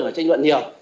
phải tranh luận nhiều